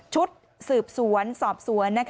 ชุดสืบสวนสอบสวน